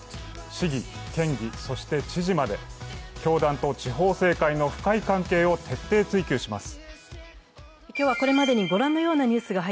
市議、県議、そして知事まで教団と地方政界の深い関係を徹底追及します。